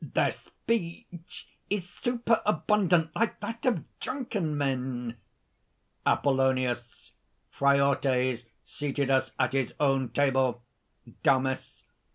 "Their speech is superabundant, like that of drunken men!" APOLLONIUS. "Phraortes seated us at his own table." DAMIS.